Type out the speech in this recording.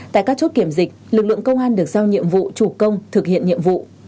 tại các chốt kiểm dịch lực lượng công an được giao nhiệm vụ chủ công thực hiện nhiệm vụ